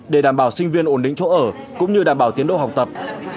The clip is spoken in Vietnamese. để đảm bảo sinh viên ổn định chỗ ở cũng như đảm bảo tiến độ học tập